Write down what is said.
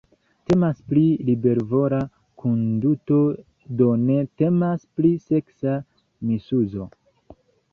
Temas pri libervola konduto, do ne temas pri seksa misuzo.